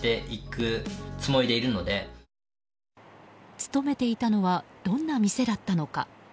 勤めていたのはどんな店だったのか。